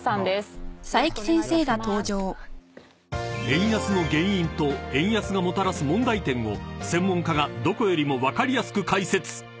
［円安の原因と円安がもたらす問題点を専門家がどこよりも分かりやすく解説］